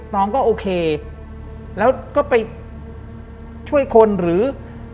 น้องก็โอเคแล้วก็ไปช่วยคนหรือ